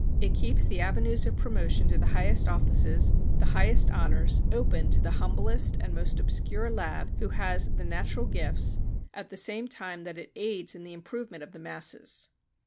It keeps the avenues of promotion to the highest offices, the highest honors, open to the humblest and most obscure lad who has the natural gifts, at the same time that it aids in the improvement of the masses.